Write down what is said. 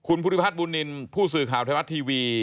คุณพุทธิพัฒน์บุนนินผู้สื่อข่าวไทยพัฒน์ทีวี